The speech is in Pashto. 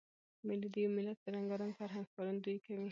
مېلې د یو ملت د رنګارنګ فرهنګ ښکارندویي کوي.